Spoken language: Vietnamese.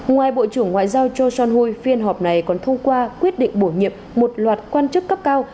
ngoài bộ trưởng ngoại giao john hui phiên họp này còn thông qua quyết định bổ nhiệm một loạt quan chức cấp cao